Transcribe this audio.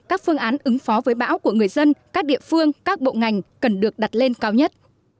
các phương án ứng phó với bão của người dân các địa phương các bộ ngành cần được đặt lên cao nhất